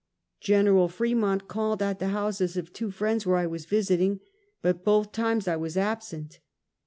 Gen. Fremont called at the houses of two friends where I was visiting, but both times I was absent.